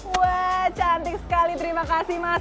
wah cantik sekali terima kasih mas